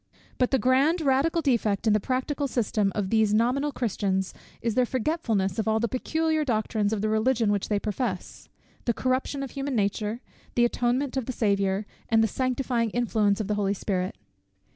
_ But the grand radical defect in the practical system of these nominal Christians, is their forgetfulness of all the peculiar doctrines of the Religion which they profess the corruption of human nature the atonement of the Saviour and the sanctifying influence of the Holy Spirit.